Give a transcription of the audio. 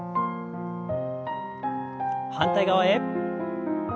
反対側へ。